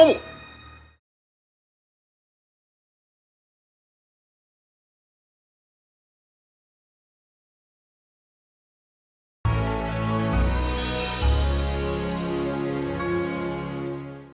jangan lupa like subscribe dan share ya